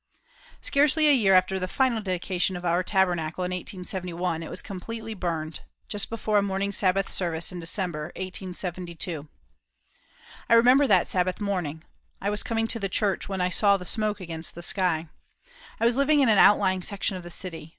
Scarcely a year after the final dedication of our Tabernacle in 1871 it was completely burned, just before a morning Sabbath service in December, 1872. I remember that Sabbath morning. I was coming to the church, when I saw the smoke against the sky. I was living in an outlying section of the city.